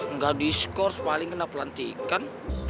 nggak di skors paling kena pelantikan